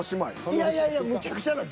いやいやいやむちゃくちゃな。